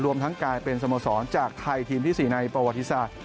รวมทั้งกลายเป็นสโมสรจากไทยทีมที่๔ในประวัติศาสตร์